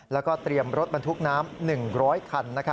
แล้วก็เตรียมรถบรรทุกน้ำ๑๐๐คัน